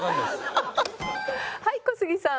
はい小杉さん。